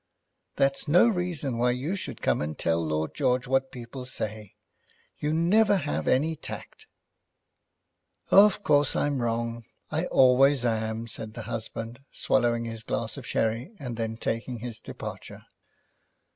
"That's no reason why you should come and tell Lord George what people say. You never have any tact." "Of course I'm wrong; I always am," said the husband, swallowing his glass of sherry and then taking his departure.